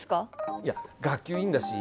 いや学級委員だし